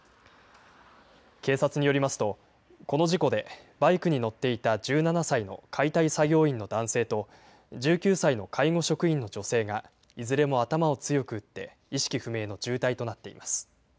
警察によりますと、この事故でバイクに乗っていた１７歳の解体作業員の男性と、１９歳の介護職員の女性がいずれも頭を強く打って、意識不明の重体となっています。